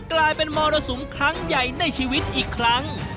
กลายเป็นมรสุมครั้งใหญ่ในชีวิตอีกครั้ง